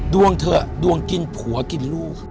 เถอะดวงกินผัวกินลูก